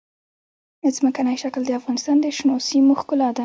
ځمکنی شکل د افغانستان د شنو سیمو ښکلا ده.